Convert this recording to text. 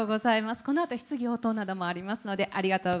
このあと質疑応答などもあります